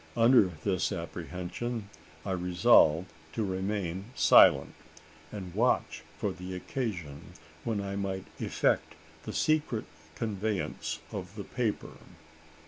Under this apprehension, I resolved to remain silent; and watch for the occasion when I might effect the secret conveyance of the paper.